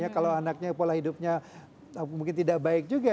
kalau anaknya pola hidupnya mungkin tidak baik juga